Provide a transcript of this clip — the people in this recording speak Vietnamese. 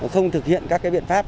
không thực hiện các biện pháp